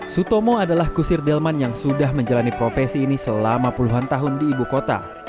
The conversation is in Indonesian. sutomo adalah kusir delman yang sudah menjalani profesi ini selama puluhan tahun di ibu kota